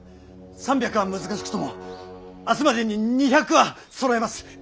３００は難しくとも明日までに２００はそろえます。